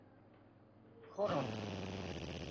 コロナ